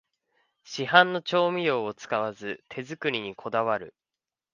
市販の調味料を使わず手作りにこだわる